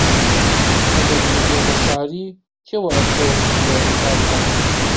ئەگەر من بێمە شاری، کێ وەئەستۆ بگرێ کاروبار؟